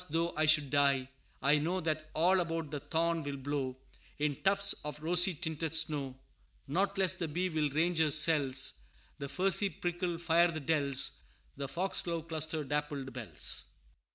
though I should die, I know That all about the thorn will blow In tufts of rosy tinted snow. "Not less the bee will range her cells, The furzy prickle fire the dells, The foxglove cluster dappled bells."